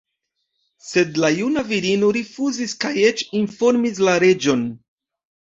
Sed la juna virino rifuzis kaj eĉ informis la reĝon.